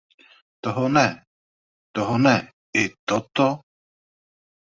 Toho ne, toho ne, i toto!